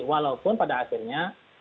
walaupun pada akhirnya